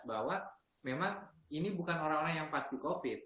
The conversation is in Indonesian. bahwa memang ini bukan orang orang yang pas di covid